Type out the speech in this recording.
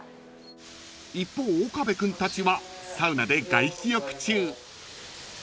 ［一方岡部君たちはサウナで外気浴中］